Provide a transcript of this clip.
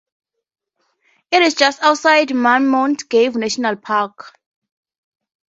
It is just outside Mammoth Cave National Park.